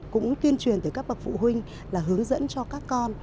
cũng tuyên truyền từ các bậc phụ huynh là hướng dẫn cho các con